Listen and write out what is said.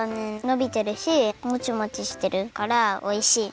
のびてるしモチモチしてるからおいしい！